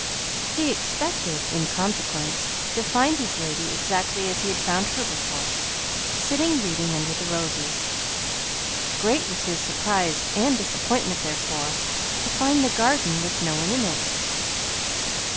He expected, in consequence, to find his Lady exactly as he had found her before, sitting reading under the roses. Great was his surprise and disappointment, therefore, to find the garden with no one in it.